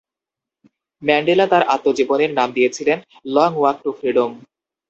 Mandela তাঁর আত্মজীবনীর নাম দিয়েছিলেন লং ওয়াক টু ফ্রিডম ।